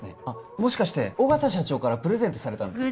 もしかして緒方社長からプレゼントされたんですか？